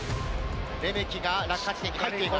レメキが落下地点に入っています。